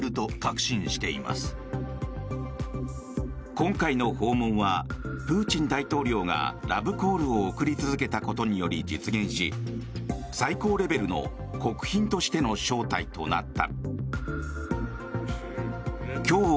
今回の訪問はプーチン大統領がラブコールを送り続けたことにより実現し最高レベルの国賓としての招待となった。